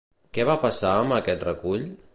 Què va passar amb aquest recull?